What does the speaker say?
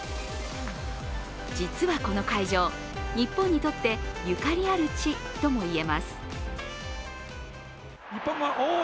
実はこの会場、日本にとってゆかりある地ともいえます。